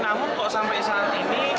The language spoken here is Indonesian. namun kok sampai saat ini